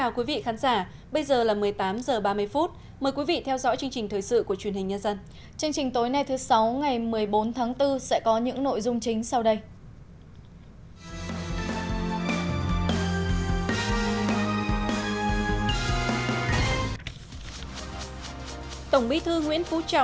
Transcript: chương trình tối nay thứ sáu ngày một mươi bốn tháng bốn sẽ có những nội dung chính sau đây